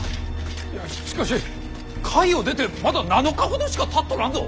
いやしかし甲斐を出てまだ７日ほどしかたっとらんぞ！？